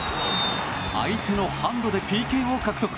開いてのハンドでＰＫを獲得。